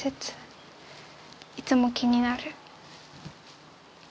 いつも気になる。